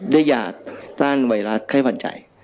ได้ยาดต้านไวรัสค่ายฝ่าใจ